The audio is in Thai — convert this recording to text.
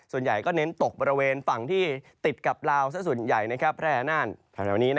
ส่วนใหญ่ก็เน้นตกบริเวณฝั่งที่ติดกับลาวซะส่วนใหญ่แพร่นานแถวนี้